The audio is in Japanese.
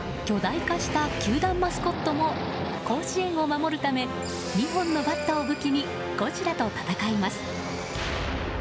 巨大化した球団マスコットも甲子園を守るため２本のバットを武器にゴジラと戦います。